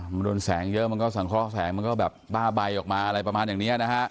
มันโดนแสงเยอะมันก็สังเคราะห์แสงมันก็แบบบ้าใบออกมาอะไรประมาณอย่างนี้นะฮะ